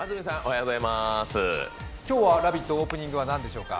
今日は「ラヴィット」オープニングは何でしょうか。